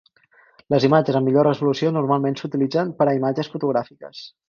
Les imatges amb millor resolució normalment s"utilitzen per a imatges fotogràfiques.